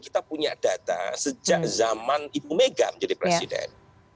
kita punya data sejak zaman ibu mega menjadi presiden